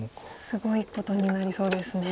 すごいことになりそうですね。